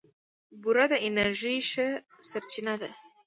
بوره د انرژۍ ښه سرچینه ده.